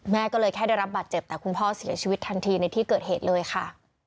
แม่ก็เลยแค่ได้รับบาดเจ็บแต่คุณพ่อเสียชีวิตทันทีในที่เกิดเหตุเลยค่ะ